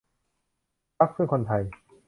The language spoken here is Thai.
พรรคเพื่อคนไทย